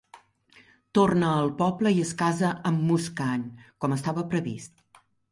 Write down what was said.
Torna al poble i es casa amb Muskaan, com estava previst.